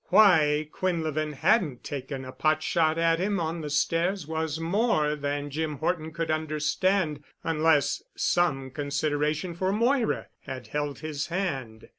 Why Quinlevin hadn't taken a pot shot at him on the stairs was more than Jim Horton could understand, unless some consideration for Moira had held his hand.